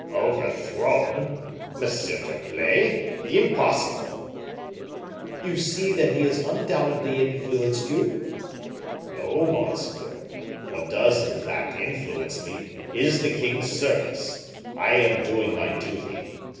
"Overthrown? M. d'Herblay! Impossible!" "You see that he has undoubtedly influenced you." "No, monseigneur; what does, in fact, influence me, is the king's service. I am doing my duty.